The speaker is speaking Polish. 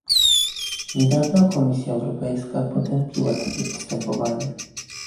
Niedawno Komisja Europejska potępiła takie postępowanie